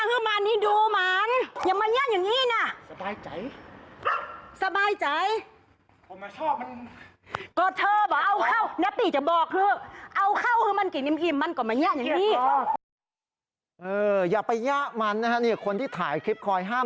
อย่าไปย่ามันนะฮะคนที่ถ่ายคลิปคอยห้าม